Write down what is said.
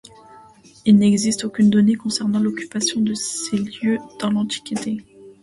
Il n'existe aucune donnée concernant l'occupation de ces lieux dans l'antiquité.